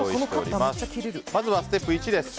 まずはステップ１です。